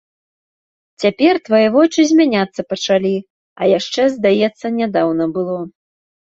Цяпер твае вочы змяняцца пачалі, а яшчэ, здаецца, нядаўна было!